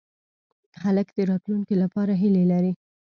هلک د راتلونکې لپاره هیلې لري.